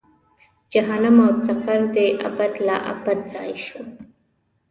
جهنم او سقر دې ابد لا ابد ځای شو.